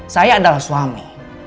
saya adalah suami